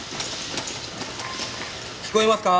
聞こえますか？